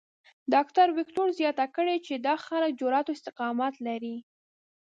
ډاکټر وېکټور زیاته کړې چې دا خلک جرات او استقامت لري.